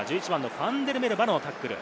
ファンデルメルヴァのタックル。